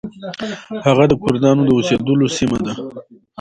هغه د کردانو د اوسیدلو سیمه ده.